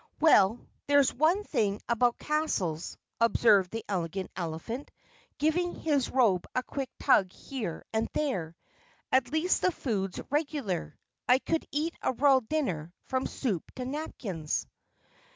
"Well, there's one thing about castles," observed the Elegant Elephant, giving his robe a quick tug here and there. "At least, the food's regular. I could eat a royal dinner from soup to napkins."